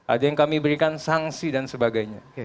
ada yang kami berikan sanksi dan sebagainya